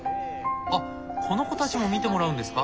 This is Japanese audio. あっこの子たちも診てもらうんですか？